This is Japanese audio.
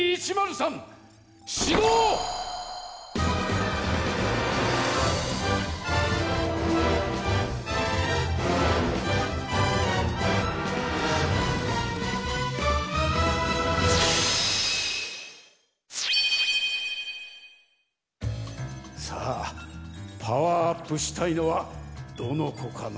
さあパワーアップしたいのはどのこかなあ？